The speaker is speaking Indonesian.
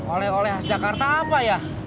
oleh oleh khas jakarta apa ya